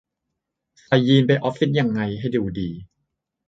ใส่ยีนส์ไปออฟฟิศยังไงให้ดูดี